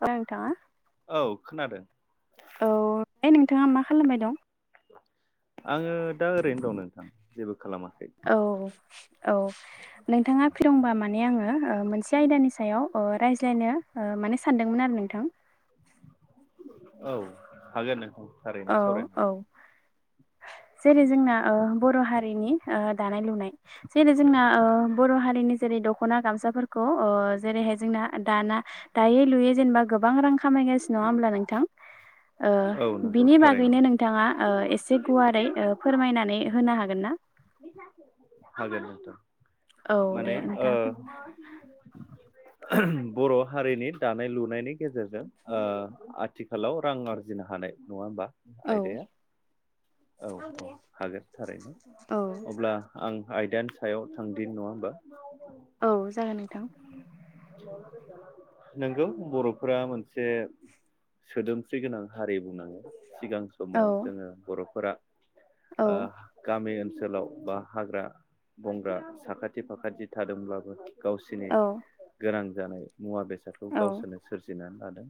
औ नोंथाङा औ खोनादों औ ओइ नोंथाङा मा खालामबाय दं आङो दा ओरैनो दं नोंथां जेबो खालामा औ औ नोंथाङा फ्रि दंबा माने आङो ओ मोनसे आयदानि सायाव ओ रायज्लायनो ओ माने सानदोंमोन आरो नोंथां औ हागोन नोंथां थारैनो औ सावरायनो औ हागोन जेरै जोंना ओ बर' हारिनि ओ दानाय लुनाय जेरै जोंना ओ बर' हारिनि जेरै दखना गामसाफोरखौै ओ जेरैहाय जोंना दाना दायै लुयै जेनेबा गोबां रां खामायगासिनो नङा होमब्ला नोंथां ओ हागोन औ नंगौ बिनि थारैनो बागैनो नोंथाङा ओ एसे गुवारै ओ फोरमायनानै होनो हागोन ना? [inaudible] हागोन नोंथां औ दे माने आ नोंथाङा फोर बर' हारिनि दानाय लुनायनि गेजेरजों ओ आथिखालाव रां आरजिनो हानाय नङा होमबा औ आयदाया औ औ हागोन थारैनो औ अब्ला आं आयदानि सायाव थांदिनि नङा होमबा औ जागोन नोंथां नंगौ बर'फोरा मोनसे सोदोमस्रि गोनां हारि बुंनाङो सिगां औ समाव जोङो बर'फोरा औ ओ गामि ओनसोलाव बा हाग्रा बंग्रा साखाथि फाखाथि थादोंब्लाबो गावसिनि औ गोनां जानाय मुवा बेसादखौ औ गावसोरनो सोरजिनानै लादों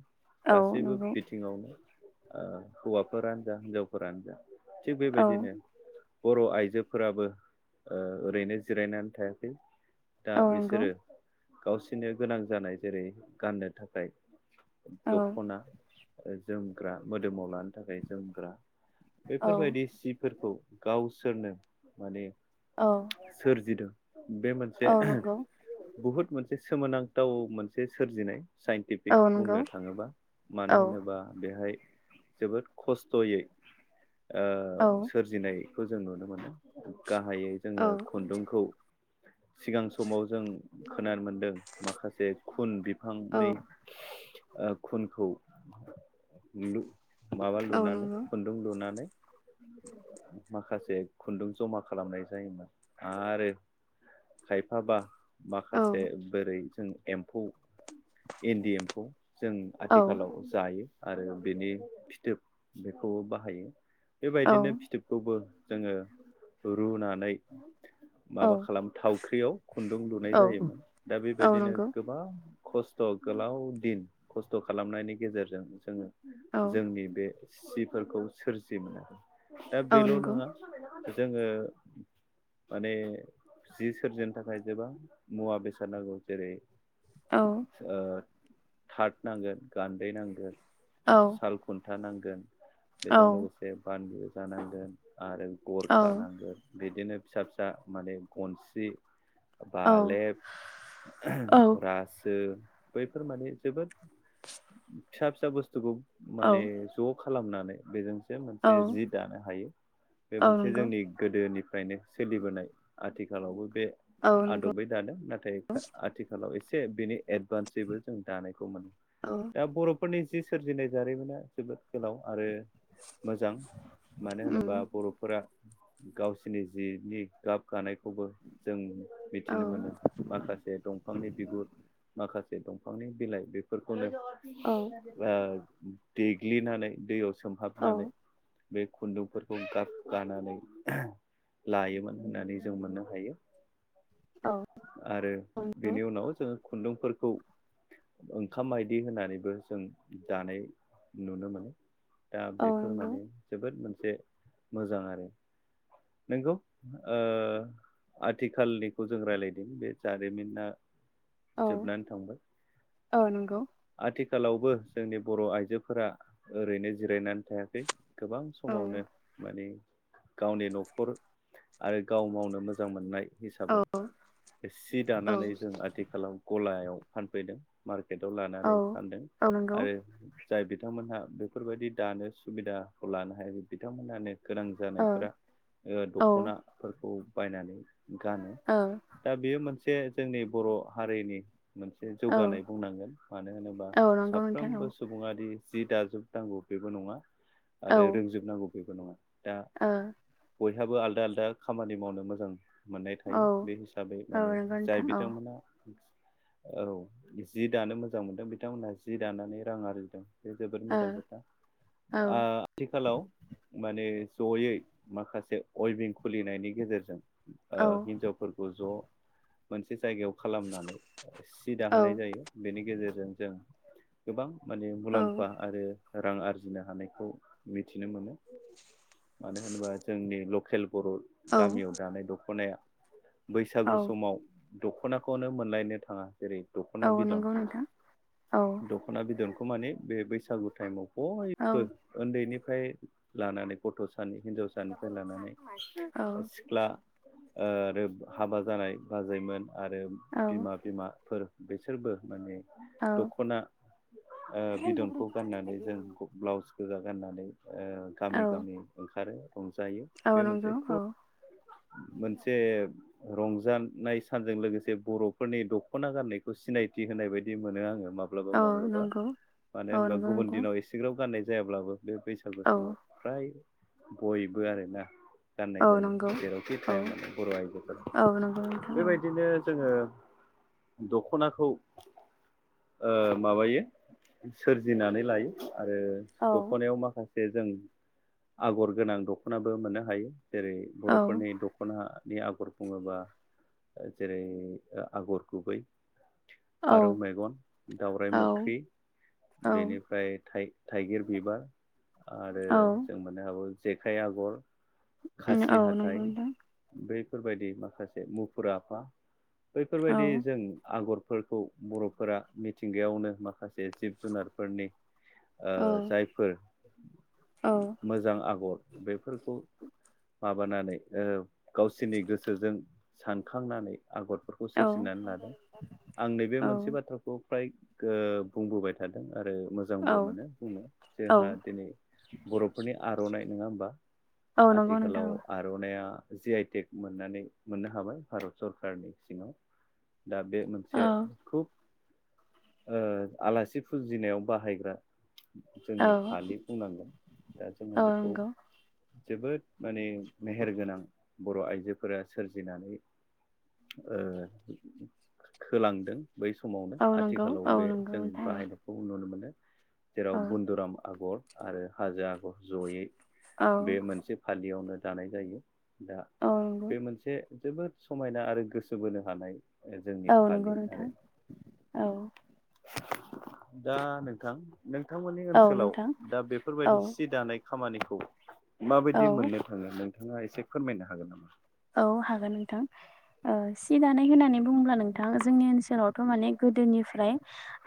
औ गासैबो नंगौ बिथिङावनो हौवाफोरानो जा हिनजावफोरानो जा थिग औ बेबायदिनो बर' आइजोफोराबो ओरैनो जिरायनानै थायाखै दा औ नंगौ बिसोरो गावसोरनो गोनां जानाय जेरै गाननो थाखाय औ दख'ना जोमग्रा मोदोमाव लानो थाखाय जोमग्रा औ बेफोरबायदि सिफोरखौ गावसोरनो माने औ सोरजिदों बे मोनसे औ नंगौ बहुद मोनसे सोमोनांथाव मोनसे सोरजिनाय औ साइन्टिफिक नंगौ बुंनो थाङोबा मानो औ होनोबा बेहाय जोबोद खस्थ'यै ओ औ सोरजिनायखौ जों नुनो मोनो गाहायै जोङो औ खुन्दुंखौ सिगां समाव जों खोनानो मोन दों। माखासे खुन औ बिफांनि ओ खुनखौ माबा औ लुनानै नंगौ खुन्दुं लुनानै माखासे खुन्दुं जमा खालामनाय जायोमोन आरो खायफाबा औ माखासे बोरै जों एमफौ इन्दि एमफौ जों औ आथिखालाव जायो आरो बेनि फिथोब बेखौबो बाहायो औ बेबायदिनो फिथोबखौबो जोङो रुनानै औ माबा खालाम थावख्रियाव खुन्दुं लुनाय जायोमोन दा औ बेबायदिनो नंगौ गोबां। खस्थ' गोलाव दिन खस्थ' खालामनायनि गेजेरजों जोङो औ जोंनि बे सिफोरखौ सोरजिदोंमोन दा औ बेल' नंगौ नङा जोङो माने जि सोरजिनो थाखाय जोङो गोबां मुवा बेसाद नांगौ जेरै औ ओ थाथ नांगोन गान्दै नांगोन औ साल खुन्था नांगोन बेजों औ लोगोसे बानबो जानांगोन आरो औ गरखा नांगोन बिदिनो फिसा फिसा माने गनस्रि औ बालेब औ रासो बैफोर माने जोबोद फिसा फिसा बुस्थुखौ माने ज' खालामनानै बेजोंसो मोनसे औ औ जि दानो हायो बे मोनसे नंगौ जोंनि गोदोनि नो सोलिबोनाय आथिखालावबो बे औ नंगौ आदबै दादों नाथाय आथिखाल। इसे बेनि एदभानसमोन औ दा बर' फोरनि जि सोरजिनाय जारिमिना जोबोद गोलाव आरो मोजां मानो उम होनोबा बर'फोरा। गावसिनि जिनि गाब गानायखौबो जों औ मिथिनो मोनो। माखासे दंफांनि बिगुर माखासे दंफांनि बिलाइ बेफोरखौनो। औ देग्लिनानै दैयाव सोमहाबनानै बे खुन्दुंफोरखौ गाब गानानै। लायोमोन होननानै जों मोननो हायो। औ। आरो नंगौ बेनि उनाव जोङो खुन्दुंफोरखौ ओंखाम मायदि होनानैबो जों दानाय नुनो मोनो। दा औ बेफोर नंगौ माने जोबोद मोनसे मोजां आरो। नंगौ आथिखालनिखौ जों रायज्लाय। बे जारिमिना औ जोबनानै थांबाय औ नंगौ आथिखाल। आथिखालावबो जोंनि बर' आइजोफोरा ओरैनो जिरायनानै। थायाखै गोबां औ समावनो माने गावनि न'खर आरो गाव मावनो मोजां मोननाय औ हिसाबै। सि दानानै औ जों आथिखालाव गलायाव फानफैदों। पेटआव लानानै फानदों औ नंगौ आरो। जाय बिथांमोनहा बेफोरबायदि दानो सुबिदाखौ लानो हायो बिथांमोनानो। गोनां ओ जानायफोरा औ दख'नाफोरखौ बायनानै गानो। ओ बे मोनसे जोंनि बर' हारिनि मोनसे औ जौगानाय बुंनांगोन मानो होनोबा औ नंगौ नोंथां औ साफ्रोमबो सुबुङारि। जि दाजोबनांगौ बेबो नङा आरो रोंजोबनांगौ बेबो नङा। दा औ बयहाबो आलदा आलदा खामानि मावनो मोजां मोननाय थायो ओ बे हिसाबै। हिसाबै औ माने नंगौ जाय नोंथां औ बिथांमोनहा। औ जि दानो मोजां मोनदों बिथांमोनहा जि दानानै रां आरजिदों। बे जोबोद ओ मोजां खोथा औ आथिखालाव माने। जयै माखासे अइभिं खुलिनायनि गेजेरजों ओ औ हिनजावफोर। ज' मोनसे जायगायाव खालामनानै सि दाहोनाय जायो बेनि गेजेरजों। जों गोबां माने औ मुलाम्फा आरो। रां आरजिनो हानायखौ मिथिनो मोनो। [inaudible] मानो होनोबा जोंनि लकेल बर' औ गामियाव दानाय दख'नाया बैसागु औ समाव दख'नाखौनो मोनलायनो थाङा जेरै दख'ना औ बिदन। नंगौ नोंथां औ दख'ना बिदनखौ माने बे बैसागु टाइमाव औ बयबो उन्दैनि। फ्राय लानानै गथ' सानि हिनजावसानिफ्राय लानानै सिख्ला। ओ आरो हाबा जानाय बाजैमोन आरो बिमा बिमाफोर बिसोरबो माने औ औ दख'ना ओ बिदनखौ गाननानै जों ब्लाउस गोजा गाननानै। ओ औ गामि गामि ओंखारो रंजायो औ बे नंगौ मोनसे औ खुब मोनसे रंजानाय सानजों लोगोसे बर'फोरनि दख'ना गाननायखौ सिनायथि होनाय बायदि मोनो आङो। माब्लाबा औ माब्लाबा नंगौ मानो औ होनबा नंगौ गुबुन नोंथां दिनाव एसेग्राब गाननाय जायाब्लाबो। बे बैसागु औ समङाव फ्राय बयबो आरोना गाननाय औ जायो। नंगौ जेरावखि औ थाया मानो बर' आइजोफोरा औ नंगौ नोंथां औ बेबायदिनो जोङो दख'नाखौ ओ माबायो सोरजिनानै लायो आरो औ दख'नायाव माखासे जों आगर गोनां दख'नाबो मोननो हायो जेरै औ बर'फोरनि दख'ना। नि आगर बुङोबा जेरै आगर गुबै। फारौ औ मेगन दावराइ औ मोख्रि। औ बेनिफ्राय थाइगिर बिबार आरो औ जों मोननो हाबावो। जेखाइ आगर उम जि औ हाथाय नंगौ नोंथां बैफोरबायदि माखासे मुफुर आफा औ बैफोरबायदि जों आगर फोरखौ बर'फोरा मिथिंगायावनो माखासे जिब जुनारफोरनि। ओ औ जायफोर। औ मोजां आगर बेफोरखौ माबानानै ओ गावसोरनि गोसोजों सानखांनानै। आगरफोरखौ औ सोरजिनानै लादों आं नैबे औ मोनसे बाथ्राखौ। फ्राय ओ बुंबोबाय थादों आरो। औ मोजांबो मो बुंनो औ जोंहा दिनै बर'फोरनि आर'नाइ नङा होनबा। औ नंगौ नोंथां आथिखालाव आर'नाइया। जि आइटेक मोननानै मोननो हाबाय भारत सरकारनि सिङाव। दा बे औ मोनसे खुब ओ आलासि फुजिनायाव बाहायग्रा। औ जोंनि फालि बुंनांगोन दा जोङो औ बेखौ नंगौ जोबोद माने मेहेरगोनां बर' आइजोफोरा सोरजिनानै। ओ होलांदों बै समावनो औ नंगौ आथिखालाव औ बे नंगौ जों नोंथां बाहायनायखौ नुनो मोनो। जेराव औ बन्दुराम आगर आरो हाजो आगर जयै औ बे मोनसे। यावनो दानाय जायो दा औ नंगौ बे मोनसे। जोबोद समायना आरो गोसो बोनो हानाय। जोंनि औ नंगौ फालि नोंथां आरो औ। दा नोंथां नोंथांमोननि औ ओनसोलाव नोंथां दा औ बेफोरबायदि सि दानाय। खामानिखौ औ माबायदि मोननो थाङो नोंथाङा एसे फोरमायनो हागोन नामा? औ हागोन नोंथां ओ सि दानाय होननानै बुङोब्ला नोंथां जोंनि ओनसोलावथ' माने। ओमफ्राय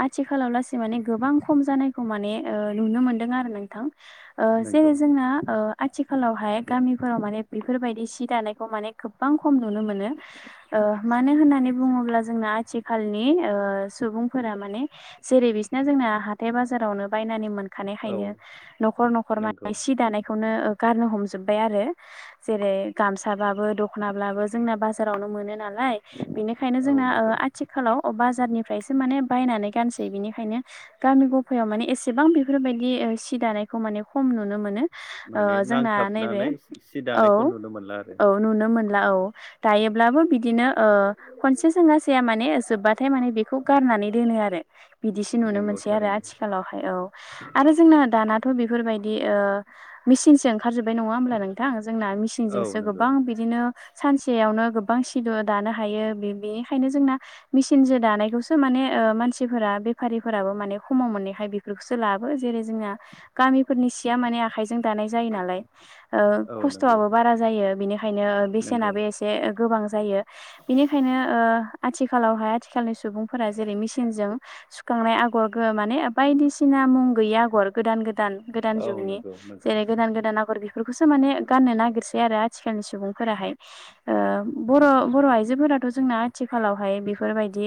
आथिखालाव लासै माने गोबां खम जानायखौ माने ओ नुनो मोनदों आरो नोंथां। ओ नोंगौ जेरै जोंना आथिखालावहाय गामिफोराव माने बेफोरबायदि सि दानाय। खौ माने गोबां खम नुनो मोनो मानो होननानै बुङोब्ला जोंना आथिखालनि। ओ सुबुंफोरा माने जेरै बिसिना जोंना हाथाय बाजारावनो बायनानै मोन। औ खानायखायनो न'खर न'खर नोंगौ माने सि दानायखौनो। गारनो हमजोबबाय आरो जेरै गामसा बाबो दख'नाबाबो जोंना बाजारावनो मोनो नालाय बेनिखायनो औ जोंना नोंगौ आथिखालाव। बाजारनिफ्रायसो माने बायनानै गानसै बिनिखायनो गामि गफायाव माने एसेबां बेफोरबादि। सि दानायखौ माने खम नुनो मोनो ओ माने जोंना नैबे नांथाबनानै सि औ। दानायखौ नुनो मोनला आरो औ नुनो मोनला औ दायोब्लाबो बिदिनो। ओ खनसेजोङा जाया माने जोब्बाथाय माने बेखौ गारनानै दोनो आरो बिदिसो नुनो मोनो। नोंगौ मोनसै आरो थारैनो आथिखालाव हाय औ आरो जोंना दानाथ' बेफोरबादि मिसिनजों आथिखालावथ'। जाजोब्बाय नङा होमब्ला नोंथां जोंना औ मिसिनजोंसो नोंगौ गोबां बिदिनो सानसेयावनो गोबां सि दानो हायो बेनिखायनो जोंना मिसिनजों दानायखौसो माने। माने ओ मानसिफोरा बेफारिफोराबो खमाव मोननायखाय बेफोरखौसो लायो जेरै जोंना गामिफोरनिया। नि सिया माने आखाइ जों दानाय जायो नालाय ओ औ नोंगौ खस्थ'वाबो बारा जायो बेनिखायनो नोंगौ बेसेनाबो एसे। गोबां जायो बिनिखायनो ओ आथिखालावहाय आथिखालनि सुबुंफोरा जेरै मेसिनजों। सुखांनाय आगर माने बायदिसिना मुं गैयि आगर गोदान गोदान। गोदान गोदान औ जुगनि नोंगौ नोंगौ जेरै गोदान गोदान आगर बेफोरखौसो माने गाननो नागिरसै। आथिखालनि सुबुंफोराहाय ओ बर' आइजोफोराथ' जोंना आथिखालावहाय बि बेफोरबायदि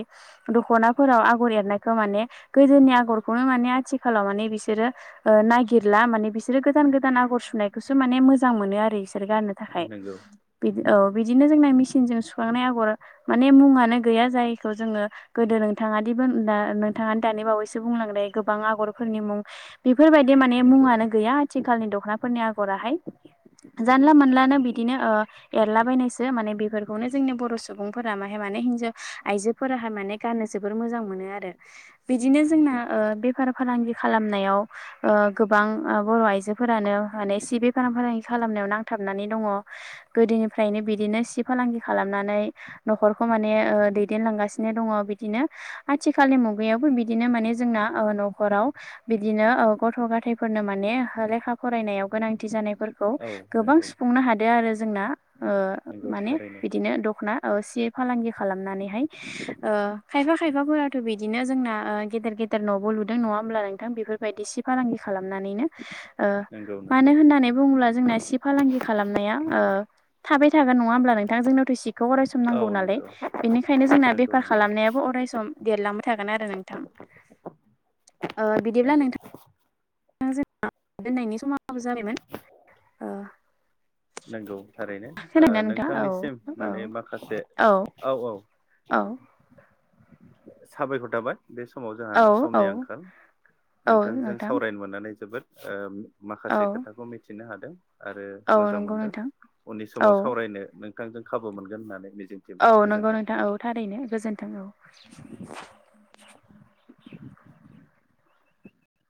दख'नाफोराव आगर एरनायखौ माने गोदोनि आगरखौनो माने आथिखालाव माने। बिसोरो ओ नागिरला माने बिसोरो गोदान गोदान आगर सुनायखौसो माने मोजां मोनो आरो इसोर गाननो थाखाय नंगौ बिदि बिदिनो जोंना मेसिनजों सुखांनाय आगर माने मुङानो गैया जायखौ जोङो गोदो नोंथाङादि नोंथाङा दानि बावैसो बुंलांनाय गोबां आगरफोरनि मुं बे बेफोरबायदि माने नंगौ मुङानो गैया आथिखालनि दख'नाफोरनि आगराहाय जानला मोनलानो बिदिनो एरलाबायनायसो माने बेफोरखौनो जोंनि बर' सुबुंफोरा माहाय माने आइजोफोरा हायो माने गाननो जोबोर मोजां मोनो आरो बिदिनो जोंना नंगौ बेफार फालांगि खालामनायाव ओ गोबां बर' आइजोफोरानो माने सि बेफार फालांगि खालाम खालामनायावनो नांथाबनानै दङ गोदोनिफ्रायनो बिदिनो सि फालांगि खालामनानै न'खरखौ माने ओ दैदेनलांगासिनो दङ बिदिनो आथिखालनि मुगायावबो बिदिनो माने जोंना न'खराव बिदिनो गथ' गथायफोरनो माने लेखा फरायनायाव गोनांथि जानायफोर औ गोबां नंगौ सुफुंनो हादों आरो जोंना ओ नंगौ माने थारैनो बिदिनो दख'ना सि फालांगि खालामनानैहाय ओ खायफा खायफाफोराथ' बिदिनो जोंना गेदेर गेदेर गेदेर न'बो लुदों नङा होमब्ला नोंथां बेफोरबायदि सि फालांगि खालामनानैनो ओ नंगौ मानो नंगौ होननानै बुङोब्ला जोंना सि फालांगि खालामनाया थाबाय थागोन नङा होमब्ला नोंथां जोंनोथ' सिखौ अरायसम औ नांगौ नालाय नंगौ बेनिखायनो जोंना नंगौ बेफार नंगौ खालामनायाबो अराय सम देरलांबाय थागोन आरो नोंथां ओ बिदिब्ला नंगौ नोंथां जोंना दोननायनि समाबो जाबायमोन नंगौ थारैनो ओ खोनादोंना नोंथां औ नोंथांनिसिम औ माने माखासे औ औ औ साबायखर थाबाय बे समाव जोंहा औ औ समनि आंखाल औ नोंथांजों नोंथां सावरायनो मोननानै जोबोद औ माखासे खोथाखौ मिथिनो हादों आरो औ मोजां नंगौ मोनदों नोंथां उननि औ समाव सावरायनो नों थांजों खाबु मोनगोन होननानै मिजिंथिबाय औ गोजोन्थों नंगौ नोंथां औ थारैनो गोजोनथों औ [inaudible]